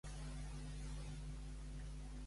Va formar part d'encara més grups de treball?